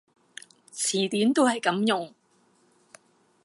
詞典都係噉用